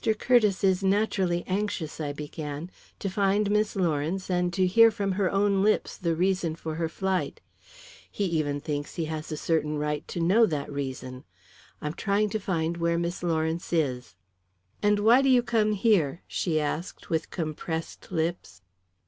Curtiss is naturally anxious," I began, "to find Miss Lawrence and to hear from her own lips the reason for her flight. He even thinks he has a certain right to know that reason. I'm trying to find where Miss Lawrence is." "And why do you come here?" she asked with compressed lips.